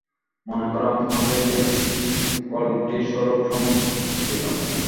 মনে কর, আমি তোমাকে সেই শৃঙ্খলটির স্বরূপ সম্বন্ধে জিজ্ঞাসা করিলাম।